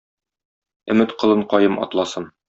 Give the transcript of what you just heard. Өмет колынкаем атласын!